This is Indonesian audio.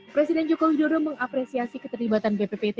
presiden joko widodo mengapresiasi keterlibatan bppt